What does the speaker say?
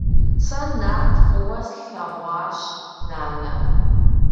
Сэ Нарт фӀыуэ слъэгъуащ, нанэ.